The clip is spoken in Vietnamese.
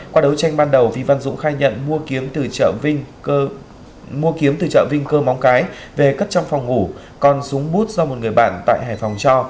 qua đấu tranh ban đầu vi văn dũng khai nhận mua kiếm từ chợ vinh cơ móng cái về cất trong phòng ngủ còn súng bút do một người bạn tại hải phòng cho